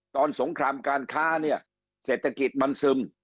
สงครามการค้าเนี่ยเศรษฐกิจมันซึม